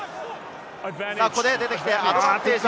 出てきて、アドバンテージ。